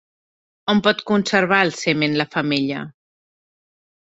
On pot conservar el semen la femella?